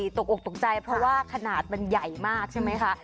ตกอกตกใจเพราะว่าขนาดมันใหญ่มากใช่ไหมคะ